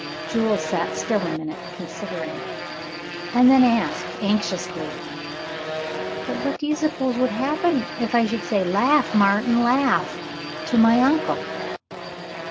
Jules sat still a minute, considering, and then asked, anxiously, "But what do you suppose would happen if I should say 'Laugh, Martin, laugh,' to my uncle?"